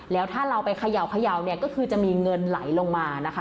แล้วถ้าเราไปเขย่าเนี่ยก็คือจะมีเงินไหลลงมานะคะ